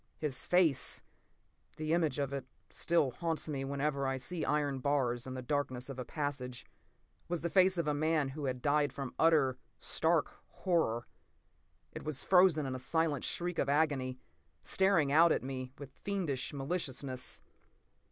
His face—the image of it still haunts me whenever I see iron bars in the darkness of a passage—was the face of a man who has died from utter, stark horror. It was frozen in a silent shriek of agony, staring out at me with fiendish maliciousness.